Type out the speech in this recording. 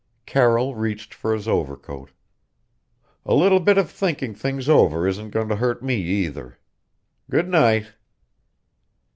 Carroll reached for his overcoat. "A little bit of thinking things over isn't going to hurt me, either. Good night!"